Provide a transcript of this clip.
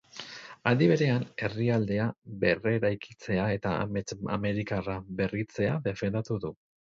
Aldi berean, herrialdea berreraikitzea eta amets amerikarra berritzea defendatu du.